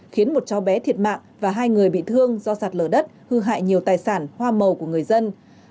khiến một cháu bé thiệt mạng và hai người bị thương do sạt lở đất hư hại nhiều tài sản hoa màu của người dân